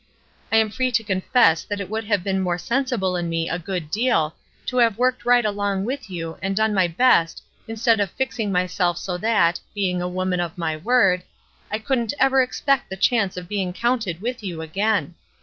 I am free to confess that it would have been more sensible in me a good deal to have worked right along with you and done my best instead of fixing myself so that, being a woman of my word, I couldn't ever expect the chance of being counted with you again.